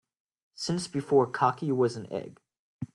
Since before cocky was an egg.